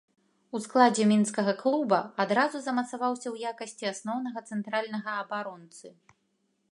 У складзе мінскага клуба адразу замацаваўся ў якасці асноўнага цэнтральнага абаронцы.